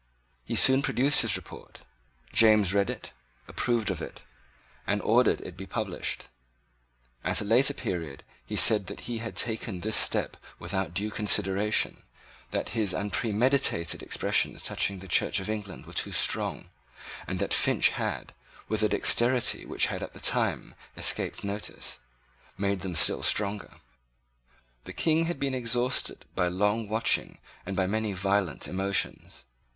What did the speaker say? He soon produced his report. James read it, approved of it, and ordered it to be published. At a later period he said that he had taken this step without due consideration, that his unpremeditated expressions touching the Church of England were too strong, and that Finch had, with a dexterity which at the time escaped notice, made them still stronger. The King had been exhausted by long watching and by many violent emotions.